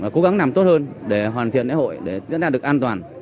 cố gắng làm tốt hơn để hoàn thiện lễ hội để chúng ta được an toàn